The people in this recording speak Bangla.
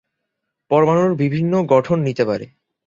পরমাণু বিভিন্ন গঠন নিতে পারে।